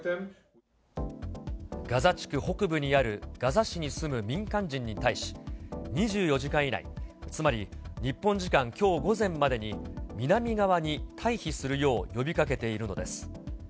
ガザ地区北部にあるガザ市に住む民間人に対し、２４時間以内、つまり日本時間きょう午前までに南側に退避するよう呼びかけているのです。